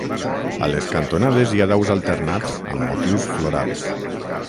A les cantonades hi ha daus alternats amb motius florals.